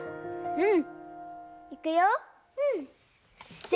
うん。